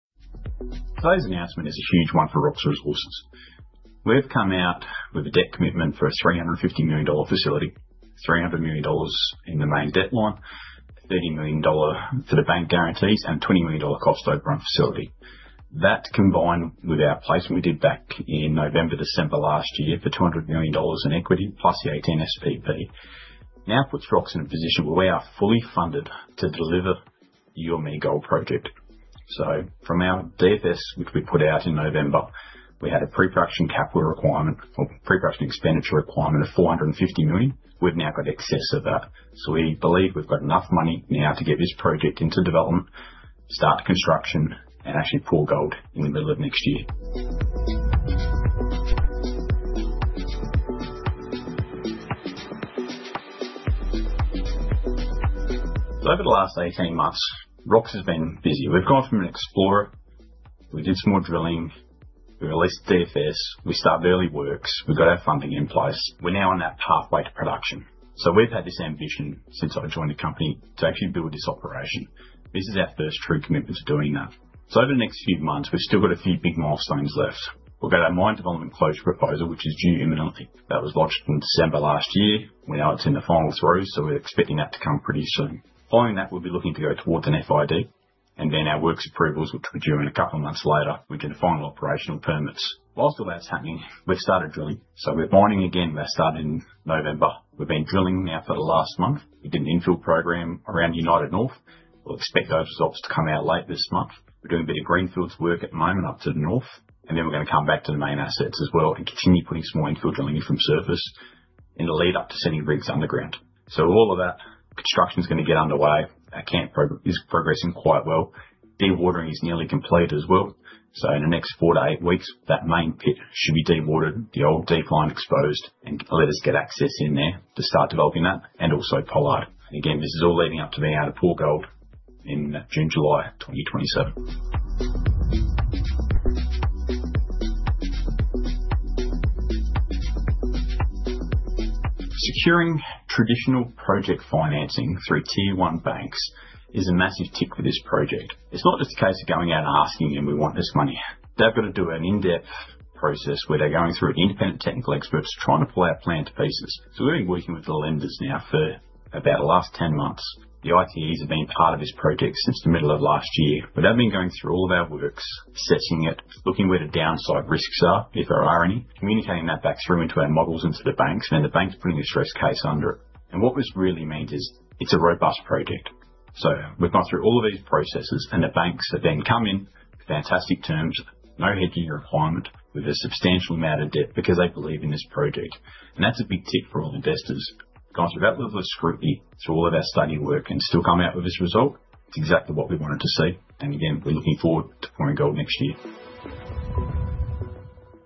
Today's announcement is a huge one for Rox Resources. We've come out with a debt commitment for an 350 million dollar facility, 300 million dollars in the main debt line, 30 million dollar for the bank guarantees, and 20 million dollar cost overrun facility. That, combined with our placement we did back in November, December last year for 200 million dollars in equity, plus the 18 SPP, now puts Rox in a position where we are fully funded to deliver the Youanmi Gold Project. From our DFS, which we put out in November, we had a pre-production capital requirement or pre-production expenditure requirement of 450 million. We've now got excess of that. We believe we've got enough money now to get this project into development, start construction, and actually pull gold in the middle of next year. Over the last 18 months, Rox has been busy. We've gone from an explorer. We did some more drilling. We released the DFS. We started early works. We got our funding in place. We're now on that pathway to production. We've had this ambition since I joined the company to actually build this operation. This is our first true commitment to doing that. Over the next few months, we've still got a few big milestones left. We've got our Mining Development and Closure Proposal, which is due imminently. That was lodged in December last year. We know it's in the final throes, so we're expecting that to come pretty soon. Following that, we'll be looking to go towards an FID, and then our Works Approvals, which will be due in a couple of months later, which are the final operational permits. Whilst all that's happening, we've started drilling. We're mining again. That started in November. We've been drilling now for the last month. We did an infill program around United North. We'll expect those results to come out late this month. We're doing a bit of greenfields work at the moment up to the north, and then we're going to come back to the main assets as well and continue putting some more infill drilling in from surface in the lead up to sending rigs underground. All of that construction's going to get underway. Our camp program is progressing quite well. Dewatering is nearly complete as well. In the next 4-8 weeks, that main pit should be dewatered, the old decline exposed, and let us get access in there to start developing that, and also Pollard Portal. Again, this is all leading up to being able to pull gold in June, July 2027. Securing traditional project financing through tier 1 banks is a massive tick for this project. It's not just a case of going out and asking them, "We want this money." They've got to do an in-depth process where they're going through independent technical experts trying to pull our plan to pieces. We've been working with the lenders now for about the last 10 months. The ITEs have been part of this project since the middle of last year, where they've been going through all of our works, assessing it, looking where the downside risks are, if there are any, communicating that back through into our models, into the banks, and the banks putting a stress case under it. What this really means is it's a robust project. We've gone through all of these processes, and the banks have then come in, fantastic terms, no hedging requirement, with a substantial amount of debt because they believe in this project, and that's a big tick for all investors. We've gone through that level of scrutiny, through all of our study work, and still come out with this result, it's exactly what we wanted to see. Again, we're looking forward to pulling gold next year.